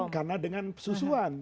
karena dengan sesusuan